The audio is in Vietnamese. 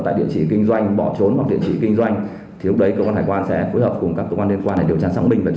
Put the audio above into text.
tại địa chỉ kinh doanh thì chúng tôi sẽ xử lý nghiêm không bao che nếu có sai phạm